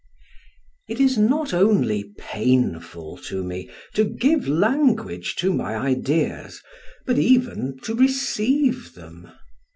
It is not only painful to me to give language to my ideas but even to receive them.